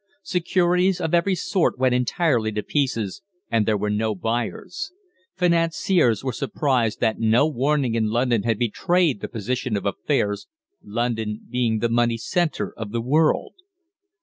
Securities of every sort went entirely to pieces, and there were no buyers. Financiers were surprised that no warning in London had betrayed the position of affairs, London being the money centre of the world.